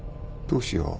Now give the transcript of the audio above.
どうしよう。